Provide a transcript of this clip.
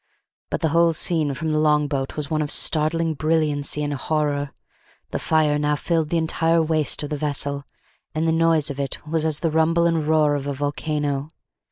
But the whole scene from the long boat was one of startling brilliancy and horror. The fire now filled the entire waist of the vessel, and the noise of it was as the rumble and roar of a volcano.